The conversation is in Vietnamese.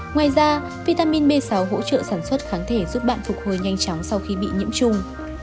ngoài ra vitamin b sáu hỗ trợ sản xuất kháng thể giúp bạn phục hồi nhanh chóng sau khi bị nhiễm trùng